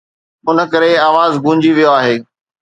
ان ڪري آواز گونجي ويو آهي.